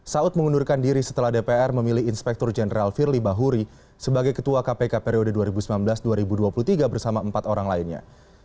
saud mengundurkan diri setelah dpr memilih inspektur jenderal firly bahuri sebagai ketua kpk periode dua ribu sembilan belas dua ribu dua puluh tiga bersama empat orang lainnya